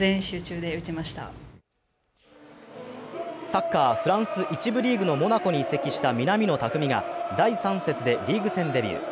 サッカー、フランス１部リーグのモナコに移籍した南野拓実が第３節でリーグ戦デビュー。